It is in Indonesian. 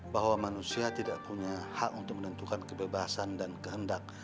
bahwa manusia tidak punya hak untuk menentukan kebebasan dan kehendak